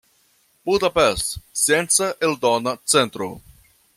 Budapest: Scienca Eldona Centro.